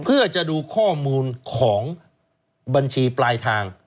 เพื่อจะดูข้อมูลของบัญชีปลายทาง